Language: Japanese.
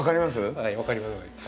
はい分かります。